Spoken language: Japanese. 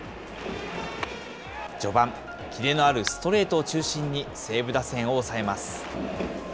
序盤、キレのあるストレートを中心に、西武打線を抑えます。